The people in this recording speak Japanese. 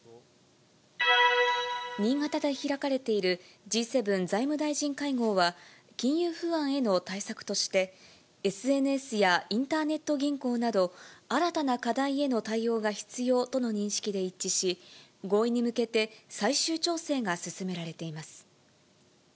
新潟で開かれている、Ｇ７財務大臣会合は、金融不安への対策として、ＳＮＳやインターネット銀行など、新たな課題への対応が必要との認識で一致し、合意に向けて最終調整が進められています。